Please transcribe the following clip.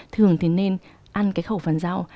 thường thì nên ăn cái khẩu phần rau